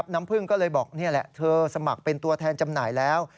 น้ำพึ่งก็เลยบอกนี่แหละเธอสมัครเป็นตัวแทนจำหน่ายแล้ว